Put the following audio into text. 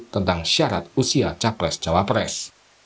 tentang syarat usia capres cawapres